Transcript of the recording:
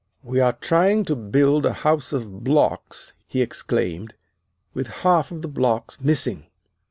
"'We are trying to build a house of blocks,' he exclaimed, 'with half of the blocks missing.